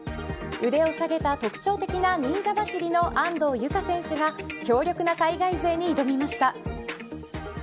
腕を下げた特徴的な忍者走りの安藤友香選手が強力な海外勢に挑みました。